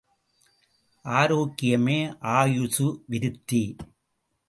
ஆரோக்கியமே ஆயுசு விருத்தி.